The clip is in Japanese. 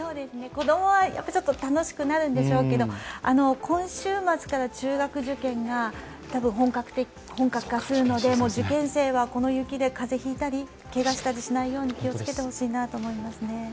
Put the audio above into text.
子供は楽しくなるんでしょうけれども、今週末から中学受験が本格化するので、受験生はこの雪で風邪をひいたり、けがしたりしないように気をつけてほしいなと思いますね。